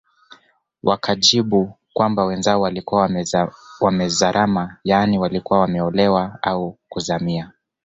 Wakajibu kwamba wenzao walikuwa wamezarama yaani walikuwa wamelowea au kuzamia